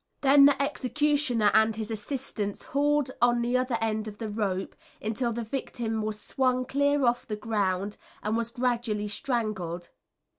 Then the executioner and his assistants hauled on the other end of the rope, until the victim was swung clear off the ground and was gradually strangled.